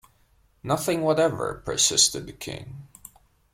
‘Nothing whatever?’ persisted the King.